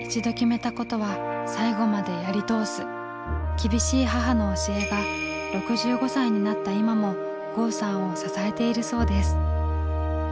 厳しい母の教えが６５歳になった今も郷さんを支えているそうです。